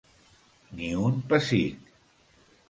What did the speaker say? Ni un pessic.